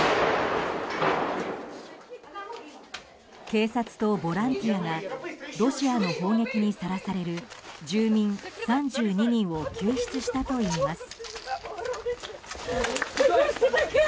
警察とボランティアがロシアの砲撃にさらされる住民３２人を救出したといいます。